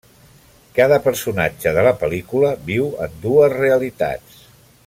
Cada personatge de la pel·lícula viu en dues realitats.